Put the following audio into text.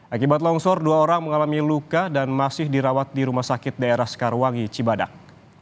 akibat longsor dua orang mengalami luka dan masih dirawat di rumah sakit daerah sekarwangi cibadak